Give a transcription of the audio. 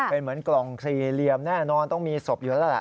เป็นเหมือนกล่องสี่เหลี่ยมแน่นอนต้องมีศพอยู่แล้วล่ะ